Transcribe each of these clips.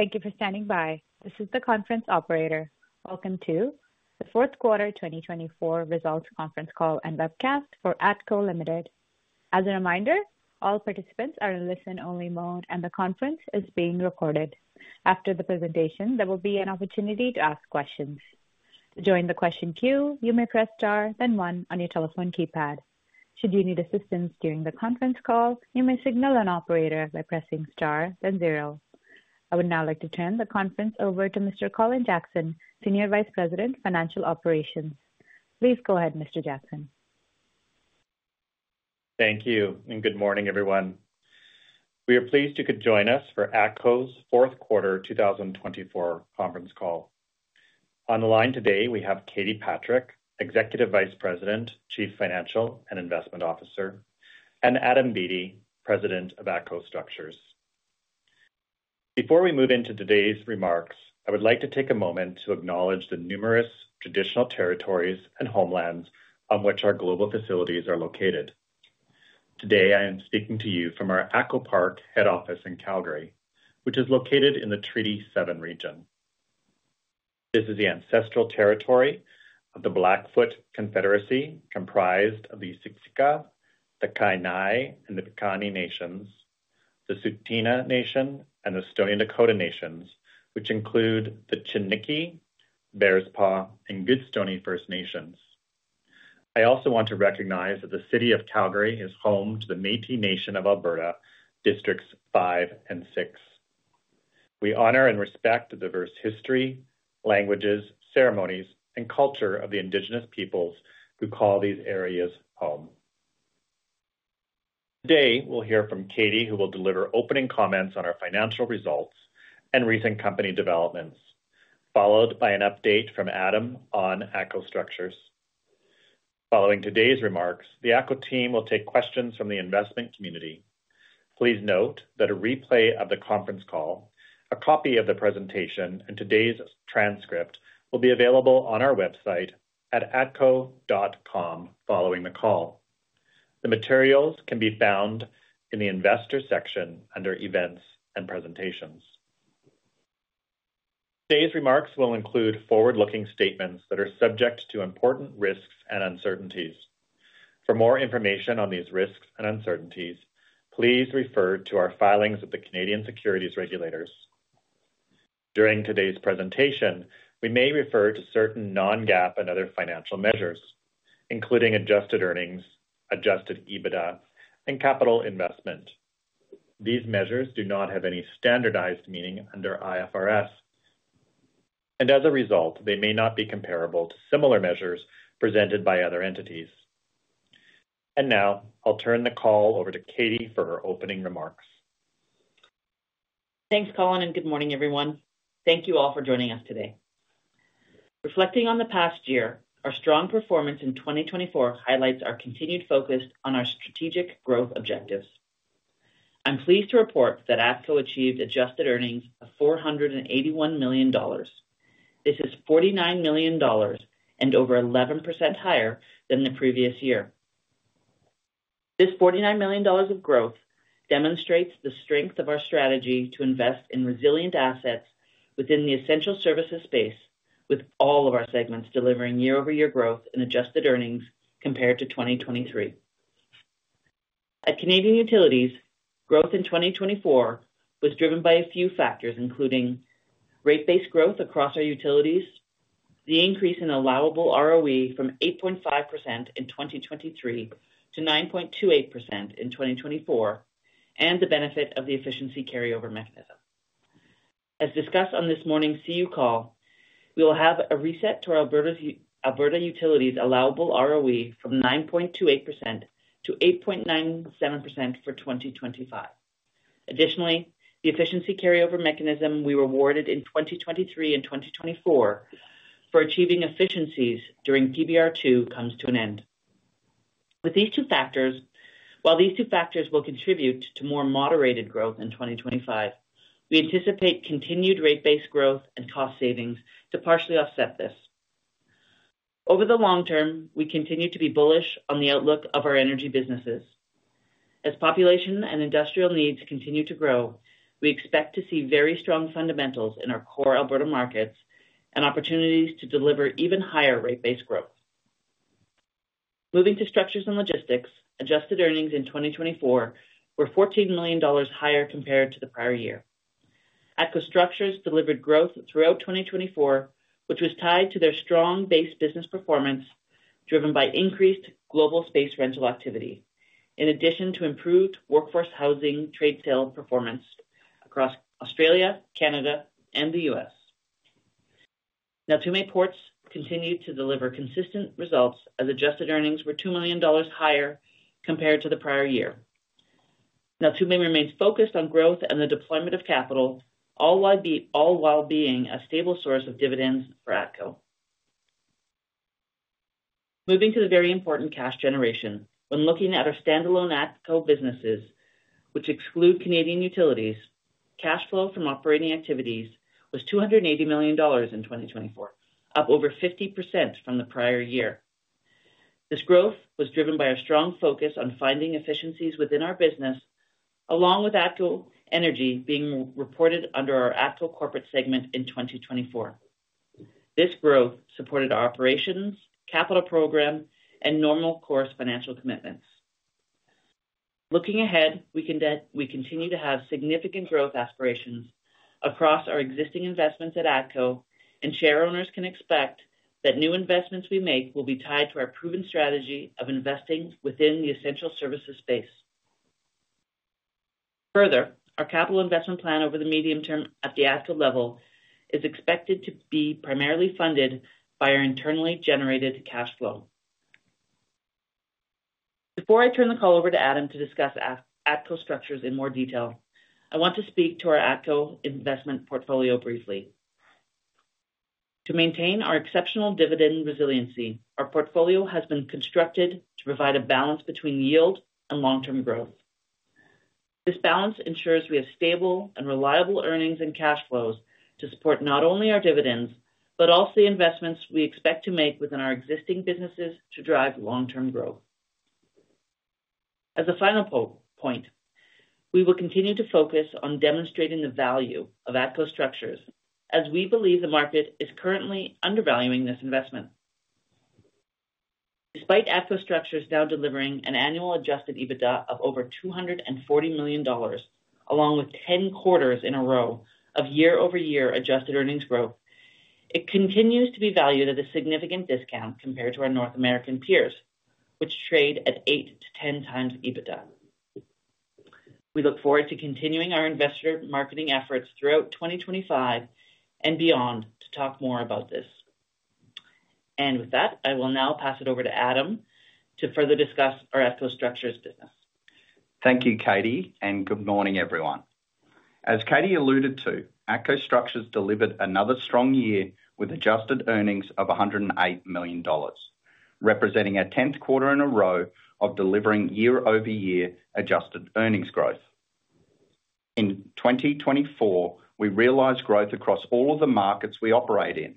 Thank you for standing by. This is the conference operator. Welcome to the fourth quarter 2024 results conference call and webcast for ATCO Limited. As a reminder, all participants are in listen-only mode, and the conference is being recorded. After the presentation, there will be an opportunity to ask questions. To join the question queue, you may press star then one on your telephone keypad. Should you need assistance during the conference call, you may signal an operator by pressing star then zero. I would now like to turn the conference over to Mr. Colin Jackson, Senior Vice President, Financial Operations. Please go ahead, Mr. Jackson. Thank you, and good morning, everyone. We are pleased you could join us for ATCO's fourth quarter 2024 conference call. On the line today, we have Katie Patrick, Executive Vice President, Chief Financial and Investment Officer, and Adam Beattie, President of ATCO Structures. Before we move into today's remarks, I would like to take a moment to acknowledge the numerous traditional territories and homelands on which our global facilities are located. Today, I am speaking to you from our ATCO Park head office in Calgary, which is located in the Treaty 7 region. This is the ancestral territory of the Blackfoot Confederacy, comprised of the Siksika, the Kainai, and the Piikani Nations, the Tsuut'ina Nation, and the Stoney Nakoda Nations, which include the Chiniki, Bearspaw, and Goodstoney First Nations. I also want to recognize that the city of Calgary is home to the Métis Nation of Alberta, districts five and six. We honor and respect the diverse history, languages, ceremonies, and culture of the Indigenous peoples who call these areas home. Today, we'll hear from Katie, who will deliver opening comments on our financial results and recent company developments, followed by an update from Adam on ATCO Structures. Following today's remarks, the ATCO team will take questions from the investment community. Please note that a replay of the conference call, a copy of the presentation, and today's transcript will be available on our website at atco.com following the call. The materials can be found in the investor section under events and presentations. Today's remarks will include forward-looking statements that are subject to important risks and uncertainties. For more information on these risks and uncertainties, please refer to our filings of the Canadian Securities Regulators. During today's presentation, we may refer to certain Non-GAAP and other financial measures, including Adjusted earnings, Adjusted EBITDA, and capital investment. These measures do not have any standardized meaning under IFRS, and as a result, they may not be comparable to similar measures presented by other entities. And now, I'll turn the call over to Katie for her opening remarks. Thanks, Colin, and good morning, everyone. Thank you all for joining us today. Reflecting on the past year, our strong performance in 2024 highlights our continued focus on our strategic growth objectives. I'm pleased to report that ATCO achieved adjusted earnings of 481 million dollars. This is 49 million dollars and over 11% higher than the previous year. This 49 million dollars of growth demonstrates the strength of our strategy to invest in resilient assets within the essential services space, with all of our segments delivering year-over-year growth in adjusted earnings compared to 2023. At Canadian Utilities, growth in 2024 was driven by a few factors, including rate-based growth across our utilities, the increase in allowable ROE from 8.5% in 2023 to 9.28% in 2024, and the benefit of the efficiency carryover mechanism. As discussed on this morning's CU call, we will have a reset to our Alberta Utilities allowable ROE from 9.28%-8.97% for 2025. Additionally, the efficiency carryover mechanism we rewarded in 2023 and 2024 for achieving efficiencies during PBR2 comes to an end. With these two factors, while these two factors will contribute to more moderated growth in 2025, we anticipate continued rate-based growth and cost savings to partially offset this. Over the long term, we continue to be bullish on the outlook of our energy businesses. As population and industrial needs continue to grow, we expect to see very strong fundamentals in our core Alberta markets and opportunities to deliver even higher rate-based growth. Moving to structures and logistics, adjusted earnings in 2024 were 14 million dollars higher compared to the prior year. ATCO Structures delivered growth throughout 2024, which was tied to their strong base business performance driven by increased global space rental activity, in addition to improved workforce housing trade sale performance across Australia, Canada, and the U.S. Neltume Ports continued to deliver consistent results as adjusted earnings were $2 million higher compared to the prior year. Now, Neltume remains focused on growth and the deployment of capital, all while being a stable source of dividends for ATCO. Moving to the very important cash generation, when looking at our standalone ATCO businesses, which exclude Canadian Utilities, cash flow from operating activities was $280 million in 2024, up over 50% from the prior year. This growth was driven by our strong focus on finding efficiencies within our business, along with ATCO Energy being reported under our ATCO corporate segment in 2024. This growth supported our operations, capital program, and normal course financial commitments. Looking ahead, we continue to have significant growth aspirations across our existing investments at ATCO, and share owners can expect that new investments we make will be tied to our proven strategy of investing within the essential services space. Further, our capital investment plan over the medium term at the ATCO level is expected to be primarily funded by our internally generated cash flow. Before I turn the call over to Adam to discuss ATCO Structures in more detail, I want to speak to our ATCO investment portfolio briefly. To maintain our exceptional dividend resiliency, our portfolio has been constructed to provide a balance between yield and long-term growth. This balance ensures we have stable and reliable earnings and cash flows to support not only our dividends, but also the investments we expect to make within our existing businesses to drive long-term growth. As a final point, we will continue to focus on demonstrating the value of ATCO Structures, as we believe the market is currently undervaluing this investment. Despite ATCO Structures now delivering an annual adjusted EBITDA of over 240 million dollars, along with 10 quarters in a row of year-over-year adjusted earnings growth, it continues to be valued at a significant discount compared to our North American peers, which trade at 8-10x EBITDA. We look forward to continuing our investor marketing efforts throughout 2025 and beyond to talk more about this. With that, I will now pass it over to Adam to further discuss our ATCO Structures business. Thank you, Katie, and good morning, everyone. As Katie alluded to, ATCO Structures delivered another strong year with adjusted earnings of 108 million dollars, representing our 10th quarter in a row of delivering year-over-year adjusted earnings growth. In 2024, we realized growth across all of the markets we operate in.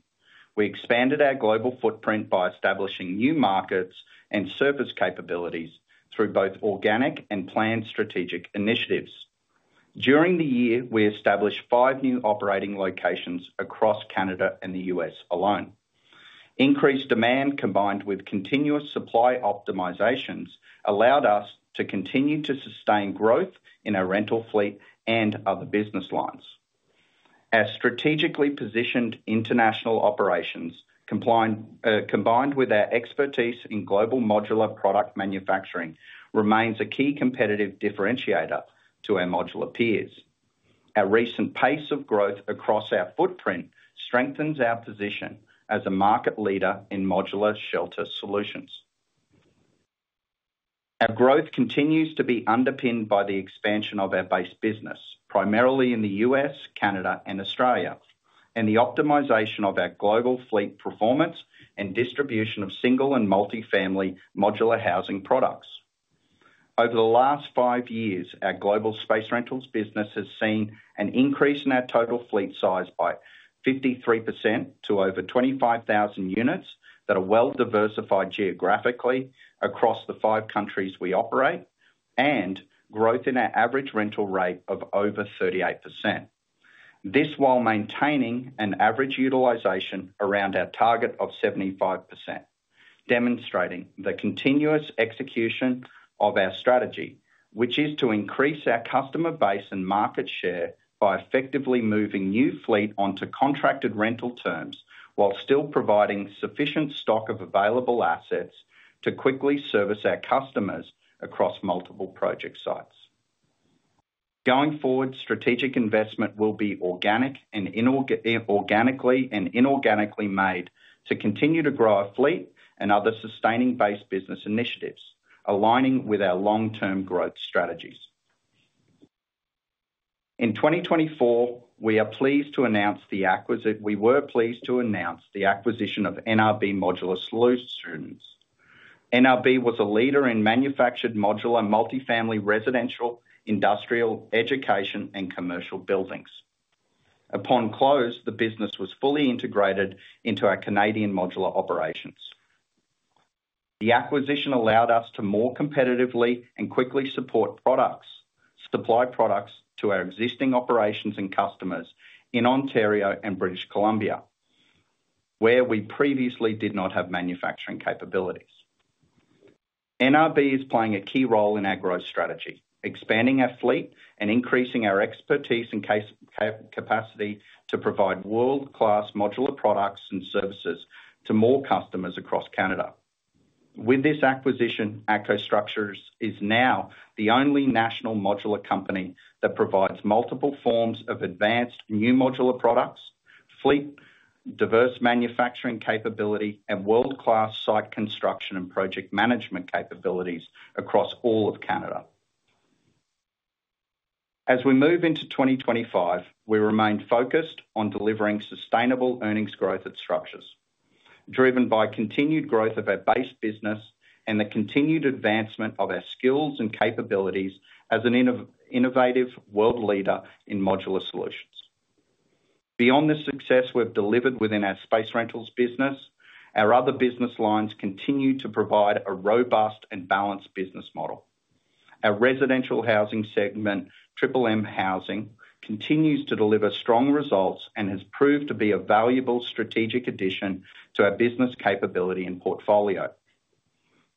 We expanded our global footprint by establishing new markets and service capabilities through both organic and planned strategic initiatives. During the year, we established five new operating locations across Canada and the U.S. alone. Increased demand, combined with continuous supply optimizations, allowed us to continue to sustain growth in our rental fleet and other business lines. Our strategically positioned international operations, combined with our expertise in global modular product manufacturing, remain a key competitive differentiator to our modular peers. Our recent pace of growth across our footprint strengthens our position as a market leader in modular shelter solutions. Our growth continues to be underpinned by the expansion of our base business, primarily in the U.S., Canada, and Australia, and the optimization of our global fleet performance and distribution of single and multifamily modular housing products. Over the last five years, our global space rentals business has seen an increase in our total fleet size by 53% to over 25,000 units that are well-diversified geographically across the five countries we operate, and growth in our average rental rate of over 38%. This while maintaining an average utilization around our target of 75%, demonstrating the continuous execution of our strategy, which is to increase our customer base and market share by effectively moving new fleet onto contracted rental terms while still providing sufficient stock of available assets to quickly service our customers across multiple project sites. Going forward, strategic investment will be organically and inorganically made to continue to grow our fleet and other sustaining base business initiatives, aligning with our long-term growth strategies. In 2024, we are pleased to announce the acquisition of NRB Modular Solutions. NRB was a leader in manufactured modular multifamily residential, industrial, education, and commercial buildings. Upon close, the business was fully integrated into our Canadian modular operations. The acquisition allowed us to more competitively and quickly support products, supply products to our existing operations and customers in Ontario and British Columbia, where we previously did not have manufacturing capabilities. NRB is playing a key role in our growth strategy, expanding our fleet and increasing our expertise and capacity to provide world-class modular products and services to more customers across Canada. With this acquisition, ATCO Structures is now the only national modular company that provides multiple forms of advanced new modular products, fleet, diverse manufacturing capability, and world-class site construction and project management capabilities across all of Canada. As we move into 2025, we remain focused on delivering sustainable earnings growth at Structures, driven by continued growth of our base business and the continued advancement of our skills and capabilities as an innovative world leader in modular solutions. Beyond the success we've delivered within our space rentals business, our other business lines continue to provide a robust and balanced business model. Our residential housing segment, Housing, continues to deliver strong results and has proved to be a valuable strategic addition to our business capability and portfolio.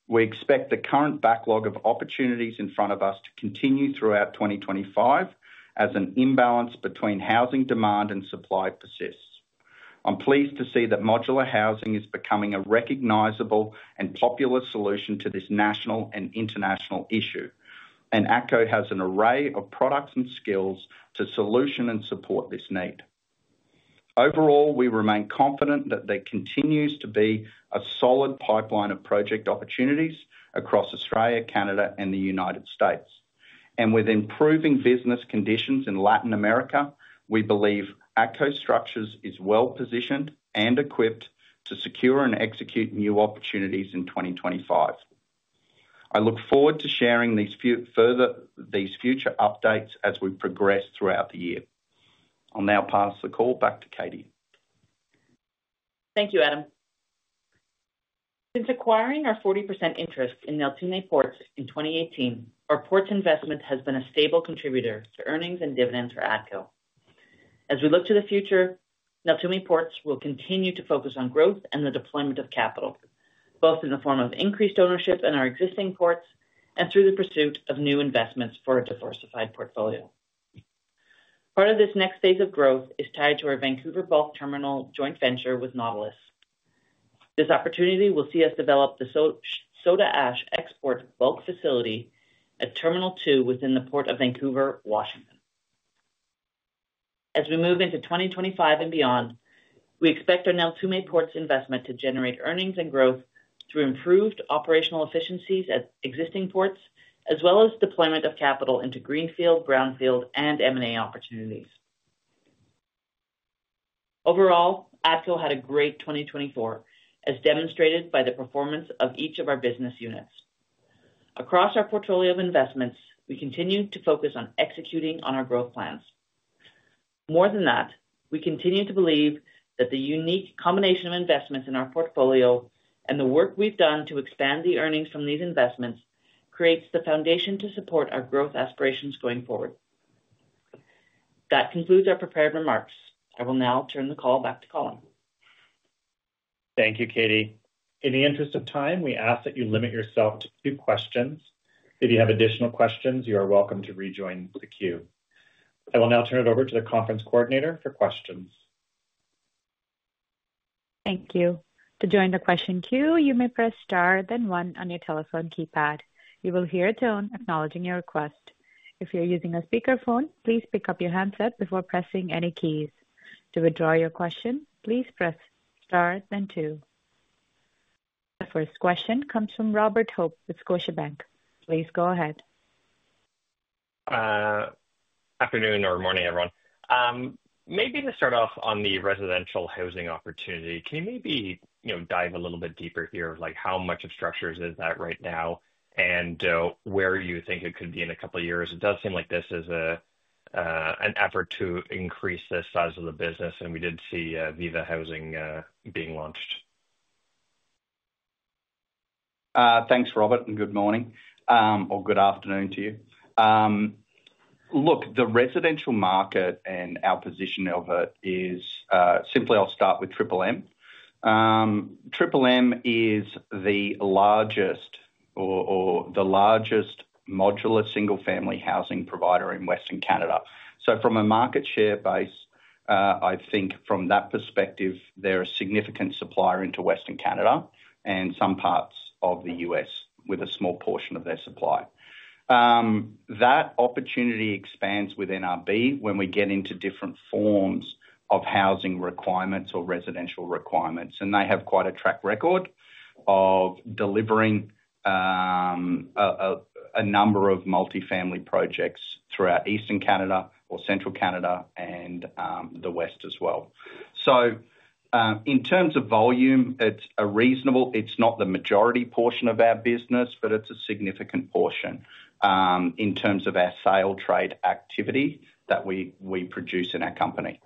We expect the current backlog of opportunities in front of us to continue throughout 2025 as an imbalance between housing demand and supply persists. I'm pleased to see that modular housing is becoming a recognizable and popular solution to this national and international issue, and ATCO has an array of products and skills to solve and support this need. Overall, we remain confident that there continues to be a solid pipeline of project opportunities across Australia, Canada, and the United States, and with improving business conditions in Latin America, we believe ATCO Structures is well-positioned and equipped to secure and execute new opportunities in 2025. I look forward to sharing these future updates as we progress throughout the year. I'll now pass the call back to Katie. Thank you, Adam. Since acquiring our 40% interest in Neltume Ports in 2018, our ports investment has been a stable contributor to earnings and dividends for ATCO. As we look to the future, Neltume Ports will continue to focus on growth and the deployment of capital, both in the form of increased ownership in our existing ports and through the pursuit of new investments for a diversified portfolio. Part of this next phase of growth is tied to our Vancouver bulk terminal joint venture with Nautilus. This opportunity will see us develop the Soda Ash export bulk facility at Terminal 2 within the Port of Vancouver, Washington. As we move into 2025 and beyond, we expect our Neltume Ports investment to generate earnings and growth through improved operational efficiencies at existing ports, as well as deployment of capital into greenfield, brownfield, and M&A opportunities. Overall, ATCO had a great 2024, as demonstrated by the performance of each of our business units. Across our portfolio of investments, we continue to focus on executing on our growth plans. More than that, we continue to believe that the unique combination of investments in our portfolio and the work we've done to expand the earnings from these investments creates the foundation to support our growth aspirations going forward. That concludes our prepared remarks. I will now turn the call back to Colin. Thank you, Katie. In the interest of time, we ask that you limit yourself to two questions. If you have additional questions, you are welcome to rejoin the queue. I will now turn it over to the conference coordinator for questions. Thank you. To join the question queue, you may press Star, then one on your telephone keypad. You will hear a tone acknowledging your request. If you're using a speakerphone, please pick up your handset before pressing any keys. To withdraw your question, please press Star, then two. The first question comes from Robert Hope with Scotiabank. Please go ahead. Afternoon or morning, everyone. Maybe to start off on the residential housing opportunity, can you maybe dive a little bit deeper here of how much of Structures is that right now and where you think it could be in a couple of years? It does seem like this is an effort to increase the size of the business, and we did see Viva Homes being launched. Thanks, Robert, and good morning or good afternoon to you. Look, the residential market and our position in it is simply, I'll start with, the largest modular single-family housing provider in Western Canada. So from a market share base, I think from that perspective, they're a significant supplier into Western Canada and some parts of the U.S. with a small portion of their supply. That opportunity expands within NRB when we get into different forms of housing requirements or residential requirements, and they have quite a track record of delivering a number of multifamily projects throughout Eastern Canada or Central Canada and the West as well. So in terms of volume, it's a reasonable, it's not the majority portion of our business, but it's a significant portion in terms of our sale trade activity that we produce in our company.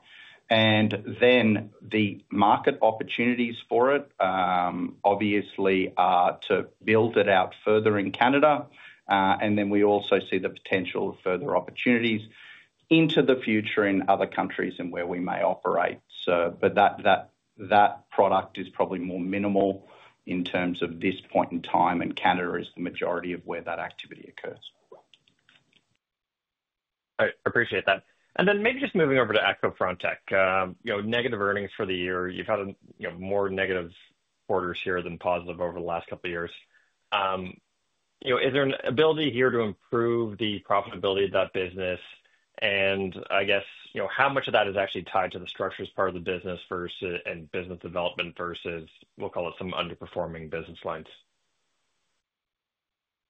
And then the market opportunities for it obviously are to build it out further in Canada, and then we also see the potential of further opportunities into the future in other countries and where we may operate. But that product is probably more minimal in terms of this point in time, and Canada is the majority of where that activity occurs. I appreciate that, and then maybe just moving over to ATCO Frontec. Negative earnings for the year. You've had more negative orders here than positive over the last couple of years. Is there an ability here to improve the profitability of that business? And I guess how much of that is actually tied to the Structures part of the business and business development versus, we'll call it, some underperforming business lines?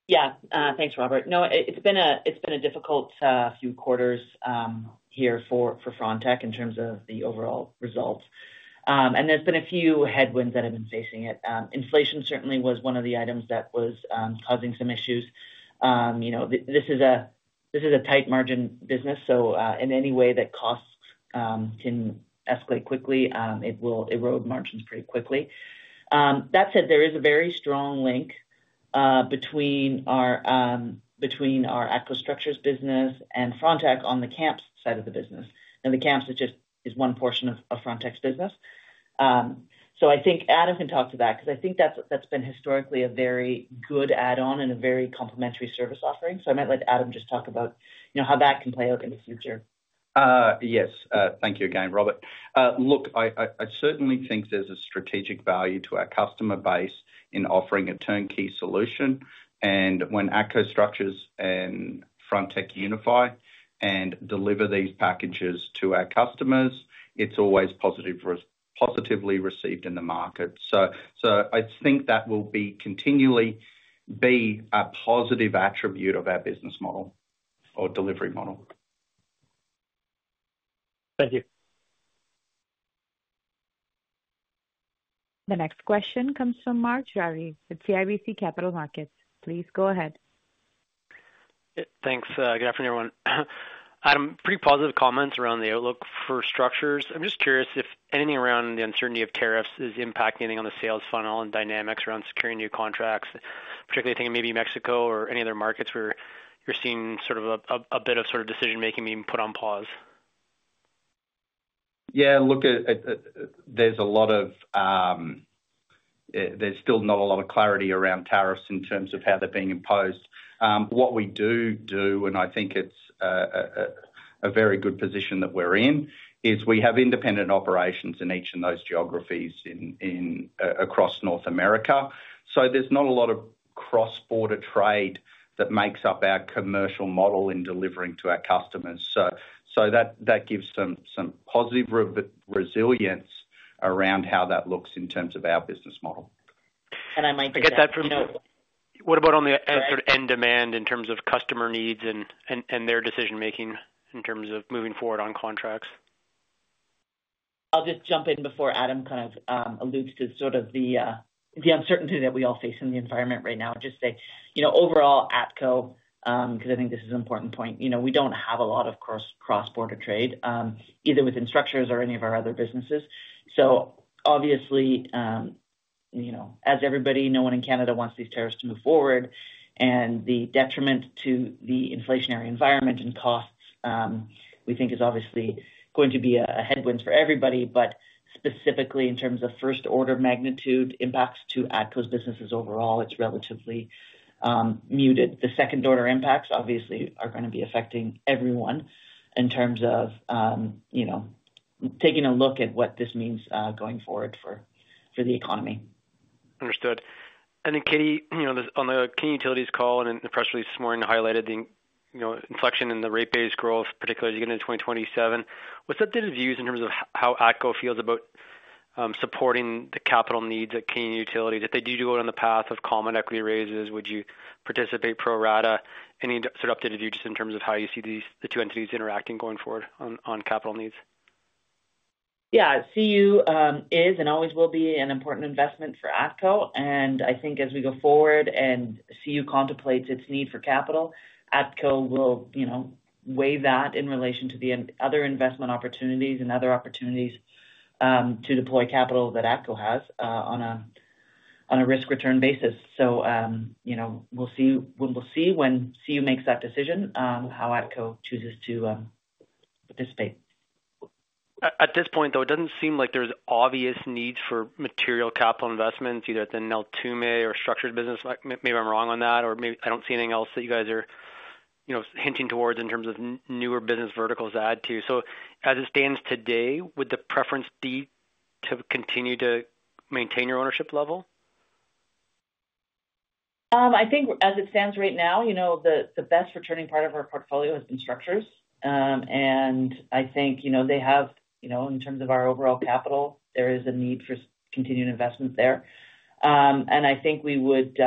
Yeah. Thanks, Robert. No, it's been a difficult few quarters here for Frontec in terms of the overall results, and there's been a few headwinds that have been facing it. Inflation certainly was one of the items that was causing some issues. This is a tight margin business, so in any way that costs can escalate quickly, it will erode margins pretty quickly. That said, there is a very strong link between our ATCO Structures business and Frontec on the camps side of the business, and the camps is just one portion of Frontec's business, so I think Adam can talk to that because I think that's been historically a very good add-on and a very complementary service offering, so I might let Adam just talk about how that can play out in the future. Yes. Thank you again, Robert. Look, I certainly think there's a strategic value to our customer base in offering a turnkey solution. And when ATCO Structures and Frontec unify and deliver these packages to our customers, it's always positively received in the market. So I think that will continually be a positive attribute of our business model or delivery model. Thank you. The next question comes from Mark Jarvi with CIBC Capital Markets. Please go ahead. Thanks. Good afternoon, everyone. I have pretty positive comments around the outlook for Structures. I'm just curious if anything around the uncertainty of tariffs is impacting anything on the sales funnel and dynamics around securing new contracts, particularly thinking maybe Mexico or any other markets where you're seeing sort of a bit of sort of decision-making being put on pause? Yeah. Look, there's still not a lot of clarity around tariffs in terms of how they're being imposed. What we do do, and I think it's a very good position that we're in, is we have independent operations in each of those geographies across North America. So there's not a lot of cross-border trade that makes up our commercial model in delivering to our customers. So that gives some positive resilience around how that looks in terms of our business model. I get that from. What about on the end demand in terms of customer needs and their decision-making in terms of moving forward on contracts? I'll just jump in before Adam kind of alludes to sort of the uncertainty that we all face in the environment right now. Just say overall ATCO, because I think this is an important point, we don't have a lot of cross-border trade either within Structures or any of our other businesses. So obviously, as everybody, no one in Canada wants these tariffs to move forward. And the detriment to the inflationary environment and costs, we think, is obviously going to be a headwind for everybody. But specifically in terms of first-order magnitude impacts to ATCO's businesses overall, it's relatively muted. The second-order impacts obviously are going to be affecting everyone in terms of taking a look at what this means going forward for the economy. Understood. And then, Katie, on the Canadian Utilities call and the press release this morning highlighted the inflection in the rate base growth, particularly as you get into 2027. What's the updated views in terms of how ATCO feels about supporting the capital needs at Canadian Utilities? If they do go down the path of common equity raises, would you participate pro rata? Any sort of updated view just in terms of how you see the two entities interacting going forward on capital needs? Yeah. CU is and always will be an important investment for ATCO. And I think as we go forward and CU contemplates its need for capital, ATCO will weigh that in relation to the other investment opportunities and other opportunities to deploy capital that ATCO has on a risk-return basis. So we'll see when CU makes that decision how ATCO chooses to participate. At this point, though, it doesn't seem like there's obvious needs for material capital investments either at the Neltume or Structures business. Maybe I'm wrong on that, or I don't see anything else that you guys are hinting towards in terms of newer business verticals to add to. So as it stands today, would the preference be to continue to maintain your ownership level? I think as it stands right now, the best returning part of our portfolio has been Structures. And I think they have, in terms of our overall capital, there is a need for continued investments there. And I think we would,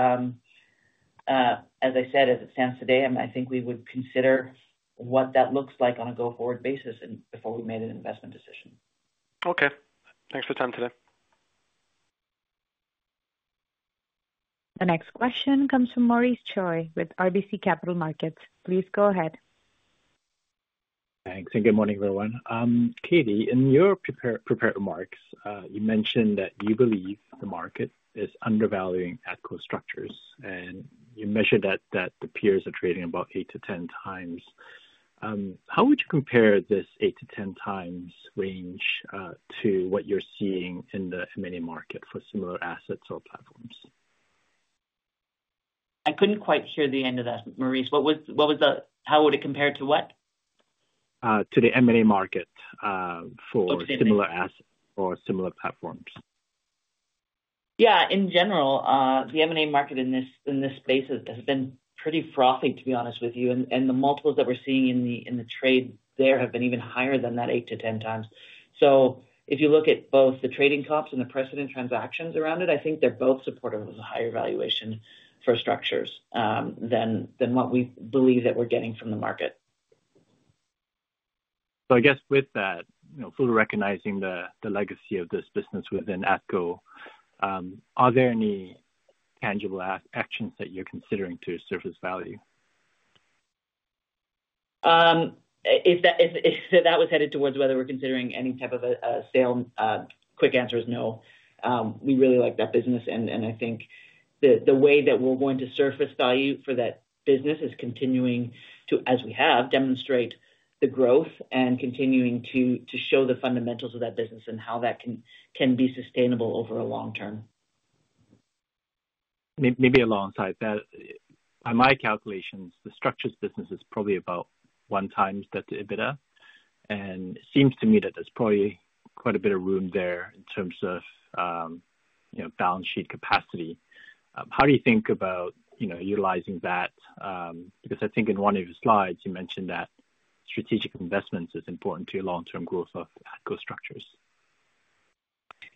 as I said, as it stands today, I think we would consider what that looks like on a go-forward basis before we made an investment decision. Okay. Thanks for the time today. The next question comes from Maurice Choy with RBC Capital Markets. Please go ahead. Thanks. And good morning, everyone. Katie, in your prepared remarks, you mentioned that you believe the market is undervaluing ATCO Structures, and you mentioned that the peers are trading about 8-10x. How would you compare this 8-10x range to what you're seeing in the M&A market for similar assets or platforms? I couldn't quite hear the end of that, Maurice. How would it compare to what? To the M&A market for similar assets or similar platforms. Yeah. In general, the M&A market in this space has been pretty frothy, to be honest with you. And the multiples that we're seeing in the trade there have been even higher than that 8-10x. So if you look at both the trading comps and the precedent transactions around it, I think they're both supportive of a higher valuation for Structures than what we believe that we're getting from the market. So I guess with that, fully recognizing the legacy of this business within ATCO, are there any tangible actions that you're considering to surface value? If that was headed towards whether we're considering any type of a sale, quick answer is no. We really like that business. And I think the way that we're going to surface value for that business is continuing to, as we have, demonstrate the growth and continuing to show the fundamentals of that business and how that can be sustainable over a long term. Maybe alongside that, by my calculations, the Structures business is probably about one times that EBITDA. And it seems to me that there's probably quite a bit of room there in terms of balance sheet capacity. How do you think about utilizing that? Because I think in one of your slides, you mentioned that strategic investments is important to your long-term growth of ATCO Structures.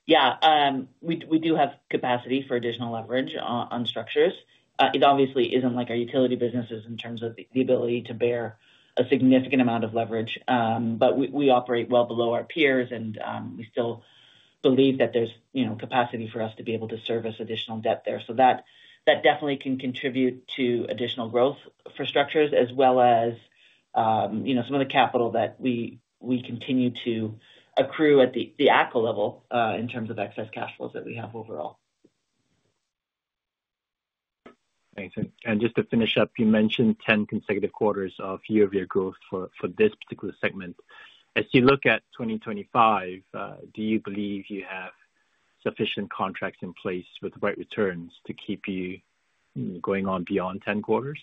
Yeah. We do have capacity for additional leverage on Structures. It obviously isn't like our utility businesses in terms of the ability to bear a significant amount of leverage. But we operate well below our peers, and we still believe that there's capacity for us to be able to service additional debt there. So that definitely can contribute to additional growth for Structures as well as some of the capital that we continue to accrue at the ATCO level in terms of excess cash flows that we have overall. Thanks. And just to finish up, you mentioned 10 consecutive quarters of year-over-year growth for this particular segment. As you look at 2025, do you believe you have sufficient contracts in place with the right returns to keep you going on beyond 10 quarters?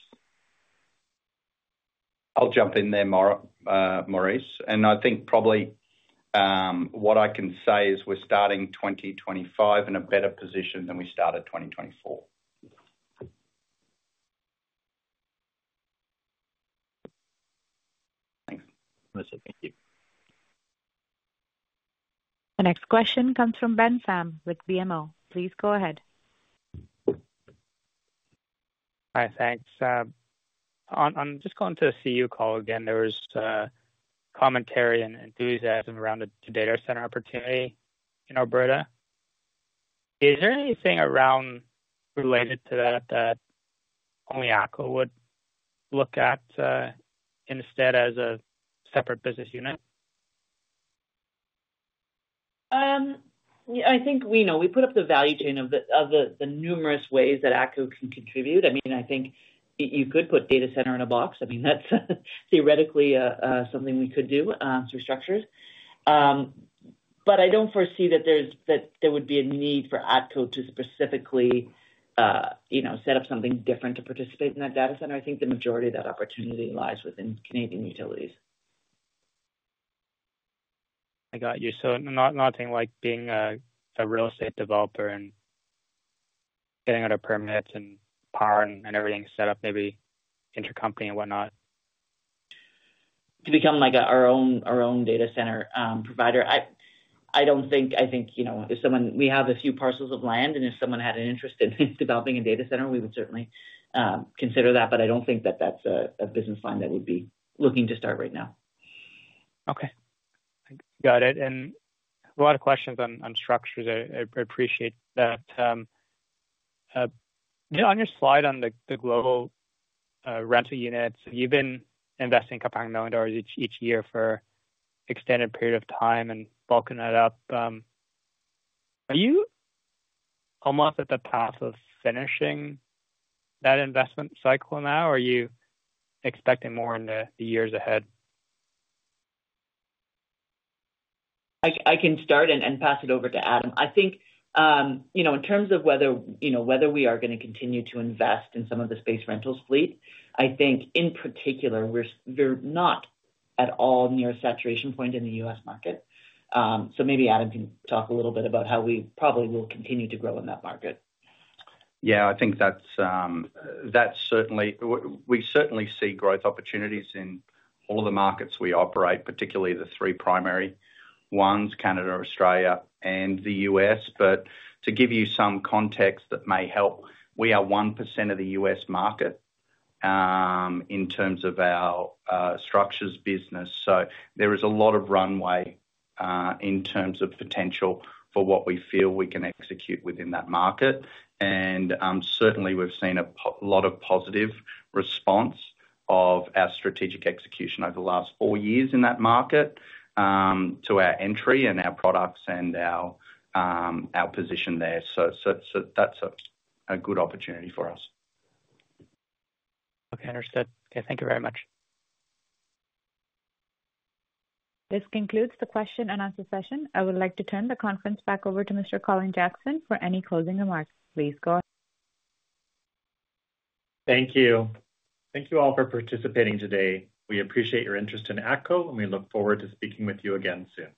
I'll jump in there, Maurice. And I think probably what I can say is we're starting 2025 in a better position than we started 2024. Thanks. Thank you. The next question comes from Ben Pham with BMO. Please go ahead. Hi. Thanks. I'm just going to CU call again. There was commentary and enthusiasm around the data center opportunity in Alberta. Is there anything related to that that only ATCO would look at instead as a separate business unit? I think we know. We put up the value chain of the numerous ways that ATCO can contribute. I mean, I think you could put data center in a box. I mean, that's theoretically something we could do through Structures. But I don't foresee that there would be a need for ATCO to specifically set up something different to participate in that data center. I think the majority of that opportunity lies within Canadian Utilities. I got you. So nothing like being a real estate developer and getting out our permits and power and everything set up, maybe intercompany and whatnot? To become our own data center provider, I don't think if someone we have a few parcels of land, and if someone had an interest in developing a data center, we would certainly consider that. But I don't think that that's a business line that we'd be looking to start right now. Okay. Got it. And a lot of questions on Structures. I appreciate that. On your slide on the global rental units, you've been investing 2 million dollars each year for an extended period of time and bulking that up. Are you almost at the path of finishing that investment cycle now, or are you expecting more in the years ahead? I can start and pass it over to Adam. I think in terms of whether we are going to continue to invest in some of the space rentals fleet, I think in particular, we're not at all near a saturation point in the U.S. market. So maybe Adam can talk a little bit about how we probably will continue to grow in that market. Yeah. I think that's certainly. We certainly see growth opportunities in all the markets we operate, particularly the three primary ones: Canada, Australia, and the U.S. But to give you some context that may help, we are 1% of the U.S. market in terms of our Structures business. So there is a lot of runway in terms of potential for what we feel we can execute within that market. And certainly, we've seen a lot of positive response to our strategic execution over the last four years in that market to our entry and our products and our position there. So that's a good opportunity for us. Okay. Understood. Okay. Thank you very much. This concludes the question and answer session. I would like to turn the conference back over to Mr. Colin Jackson for any closing remarks. Please go ahead. Thank you. Thank you all for participating today. We appreciate your interest in ATCO, and we look forward to speaking with you again soon.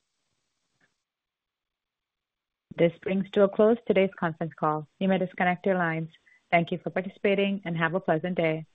This brings to a close today's conference call. You may disconnect your lines. Thank you for participating, and have a pleasant day.